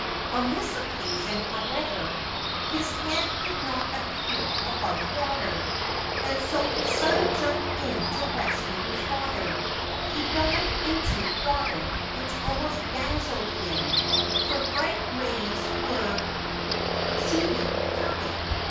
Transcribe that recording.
On this occasion, however, his head did not appear above water ; and so his son jumped in to rescue his father. He dived into water which almost dazzled him, for bright rays were 277 v Ancient Tales and Folklore of Japan shooting through it.